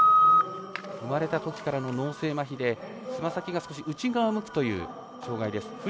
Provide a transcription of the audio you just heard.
生まれたときからの脳性まひでつま先が少し内側を向くという障がいです。